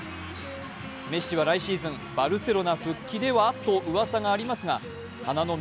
メッシは来シーズン、バルセロナ復帰ではとうわさがありますが花の都